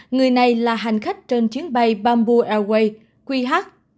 người này là hành khách trên chiến bay bamboo airways qh chín nghìn hai mươi tám